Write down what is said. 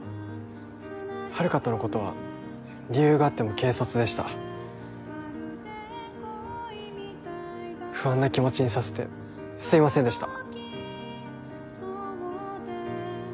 遥とのことは理由があっても軽率でした不安な気持ちにさせてすいませんでした